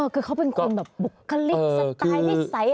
คือเขาเป็นคนแบบบุคลิกสไตล์นิสัย